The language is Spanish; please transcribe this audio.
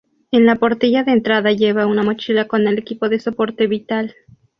En la portilla de entrada lleva una mochila con el equipo de soporte vital.